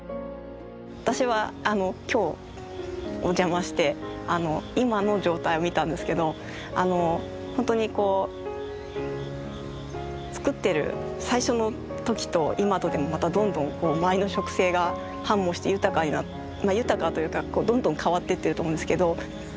私は今日お邪魔して今の状態を見たんですけど本当にこうつくってる最初の時と今とでもまたどんどん前の植生が繁茂して豊かになって豊かというかどんどん変わっていってると思うんですけど。